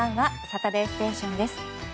「サタデーステーション」です。